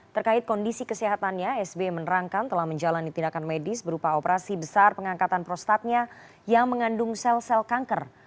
terkait kondisi kesehatannya sbi menerangkan telah menjalani tindakan medis berupa operasi besar pengangkatan prostatnya yang mengandung sel sel kanker